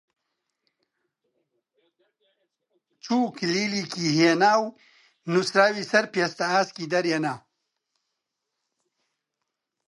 چوو کلیلێکی هێنا و نووسراوی سەر پێستە ئاسکی دەرێنان